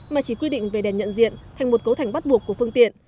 mà chỉ quy định về đèn nhận diện thành một cấu thành bắt buộc của phương tiện